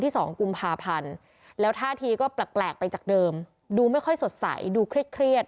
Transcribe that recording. สองกุมภาพันธ์แล้วท่าทีก็แปลกไปจากเดิมดูไม่ค่อยสดใสดูเครียด